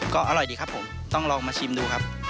ก็อร่อยดีครับผมต้องลองมาชิมดูครับ